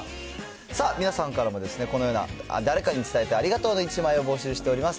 皆さんからもこのような、誰かに伝えたいありがとうの１枚を募集しております。